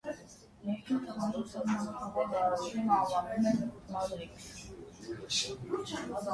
Ներքին թաղանթով սահմանափակված տարածությունը անվանում են մատրիքս։